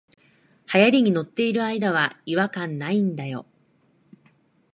流行に乗ってる間は違和感ないんだよ